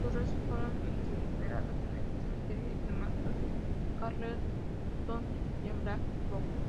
Sus restos fueron incinerados en el Cementerio y Crematorio Carleton, en Blackpool.